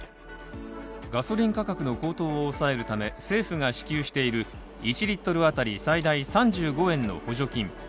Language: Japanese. ガソリン価格の高騰を抑えるため政府が支給している１リットル当たり最大３５円の補助金。